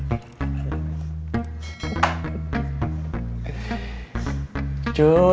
mereka harus mencoba